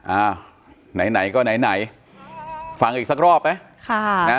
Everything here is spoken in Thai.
อ้าวไหนไหนก็ไหนไหนฟังอีกสักรอบไหมค่ะนะ